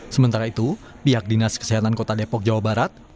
sementara itu pihak dinas kesehatan kota depok jawa barat